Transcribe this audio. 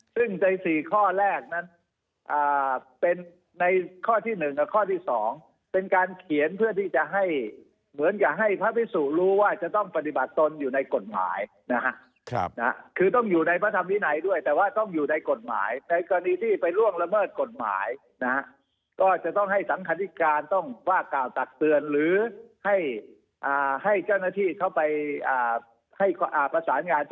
ซึ่งใน๔ข้อแรกนั้นเป็นในข้อที่๑กับข้อที่๒เป็นการเขียนเพื่อที่จะให้เหมือนกับให้พระพิสุรู้ว่าจะต้องปฏิบัติตนอยู่ในกฎหมายนะฮะคือต้องอยู่ในพระธรรมวินัยด้วยแต่ว่าต้องอยู่ในกฎหมายในกรณีที่ไปล่วงละเมิดกฎหมายนะฮะก็จะต้องให้สังคณิการต้องว่ากล่าวตักเตือนหรือให้เจ้าหน้าที่เข้าไปให้ประสานงาน